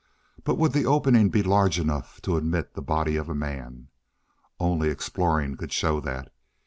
But would the opening be large enough to admit the body of a man? Only exploring could show that.